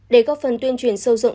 để góp phần tuyên truyền sâu rộng